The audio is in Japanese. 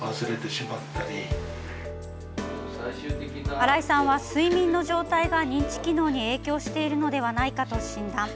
新井さんは睡眠の状態が認知機能に影響しているのではないかと診断。